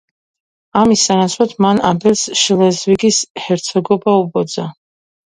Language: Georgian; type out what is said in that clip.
ამის სანაცვლოდ, მან აბელს შლეზვიგის ჰერცოგობა უბოძა.